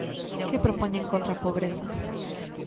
Que propoñen contra a pobreza?